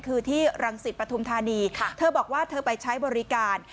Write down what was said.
คือที่รังสิตปฐุมธานีเธอบอกว่าเธอไปใช้บริการ